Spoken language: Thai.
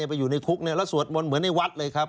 ไปอยู่ในคุกแล้วสวดมนต์เหมือนในวัดเลยครับ